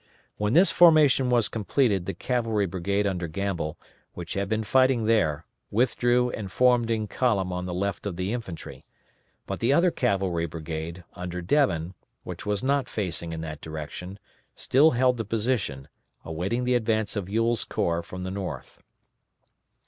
When this formation was completed the cavalry brigade under Gamble, which had been fighting there, withdrew and formed in column on the left of the infantry; but the other cavalry brigade, under Devin, which was not facing in that direction, still held the position, awaiting the advance of Ewell's corps from the north.